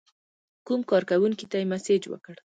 کوم کارکونکي ته یې مسیج وکړ.